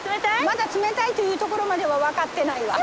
まだ冷たいという所までは分かってないわ。